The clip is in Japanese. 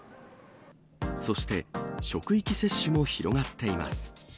そして、職域接種も広がっています。